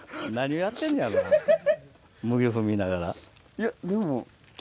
いやでも。